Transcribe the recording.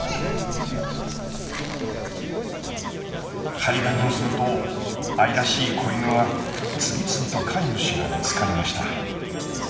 貼り紙をすると愛らしい子犬は次々と飼い主が見つかりました。